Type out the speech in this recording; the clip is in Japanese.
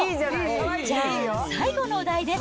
じゃあ、最後のお題です。